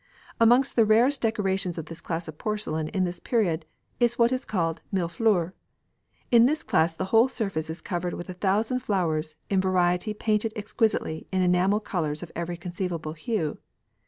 Amongst the rarest decoration of this class of porcelain in this period is what is called "mille fleurs." In this class the whole surface is covered with a thousand flowers in variety painted exquisitely in enamel colours of every conceivable hue.